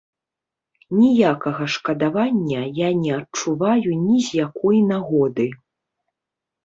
Ніякага шкадавання я не адчуваю ні з якой нагоды.